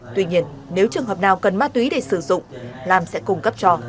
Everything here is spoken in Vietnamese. tuy nhiên nếu trường hợp nào cần ma túy để sử dụng lam sẽ cung cấp cho